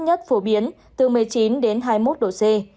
nhất phổ biến từ một mươi chín đến hai mươi một độ c